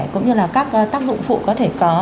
cũng như là các tác dụng phụ có thể có